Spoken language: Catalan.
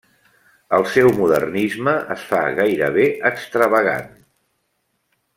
El seu modernisme es fa gairebé extravagant.